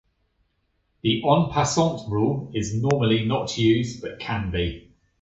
The "en passant" rule is normally not used, but can be.